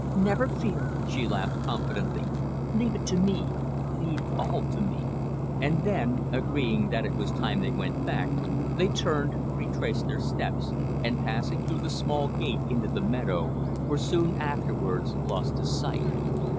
"Never fear," she laughed confidently. "Leave it to me leave all to me." And then, agreeing that it was time they went back, they turned, retraced their steps, and passing through the small gate into the meadow, were soon afterwards lost to sight.